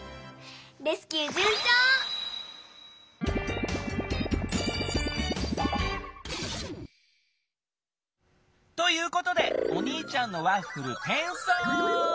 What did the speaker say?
レスキューじゅんちょう！ということでおにいちゃんのワッフルてんそう！